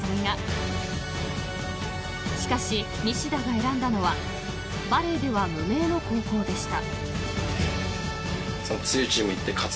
［しかし西田が選んだのはバレーでは無名の高校でした］